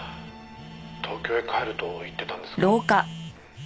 「東京へ帰ると言ってたんですが」